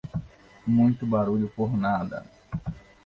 Muito barulho por nada